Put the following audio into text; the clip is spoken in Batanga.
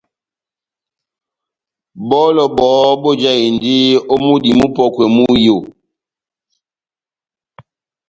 Bɔlɔ bɔhɔ́ bojahindi ó múdi múpɔkwɛ mú iyó.